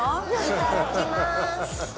いただきます。